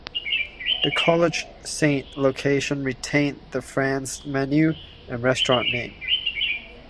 The College Saint location retained the Fran's menu and restaurant name.